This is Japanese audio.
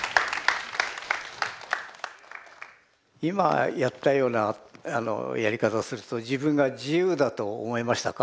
今やったようなやり方すると自分が自由だと思いましたか？